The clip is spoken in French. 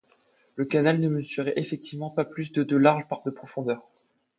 Le canal ne mesurait effectivement pas plus de de large par de profondeur.